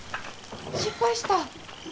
失敗した？